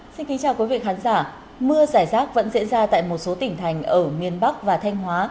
xin kính chào quý vị khán giả mưa giải rác vẫn diễn ra tại một số tỉnh thành ở miền bắc và thanh hóa